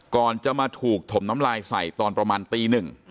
ก่อนจะมาถูกถมน้ำลายใส่ตอนประมาณตีหนึ่ง